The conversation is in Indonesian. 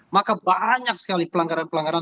maka banyak sekali pelanggaran pelanggaran